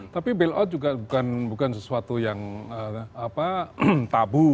tapi bailout juga bukan sesuatu yang tabu